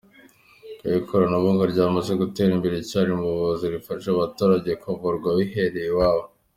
Aho ikoranabuhanga ryamaze gutera imbere cyane, mu buvuzi rifasha abaturage kuvurwa bibereye iwabo.